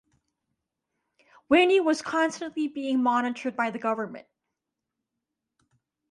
Winnie was constantly being monitored by the government.